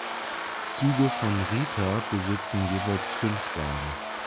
Die Züge von "Rita" besitzen jeweils fünf Wagen.